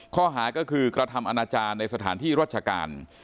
ข้อหาก็คือกระทำอนาจารย์ในสถานที่ราชการ